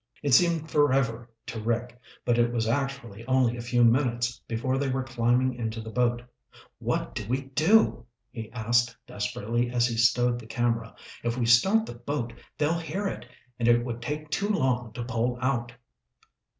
It seemed forever to Rick, but it was actually only a few minutes before they were climbing into the boat. "What do we do?" he asked desperately as he stowed the camera. "If we start the boat, they'll hear it, and it would take too long to pole out."